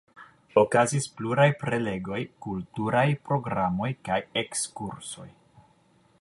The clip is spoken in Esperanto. Okazis pluraj prelegoj, kulturaj programoj kaj ekskursoj.